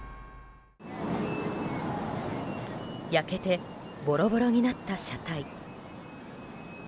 焼けてボロボロになった車体。